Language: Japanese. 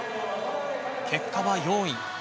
結果は４位。